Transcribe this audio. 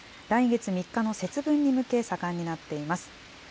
来月３日の節分に向け、盛んになっています。